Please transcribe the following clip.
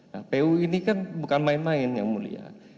nah pu ini kan bukan main main yang mulia